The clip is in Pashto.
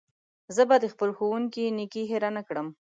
زه به د خپل ښوونکي نېکي هېره نه کړم.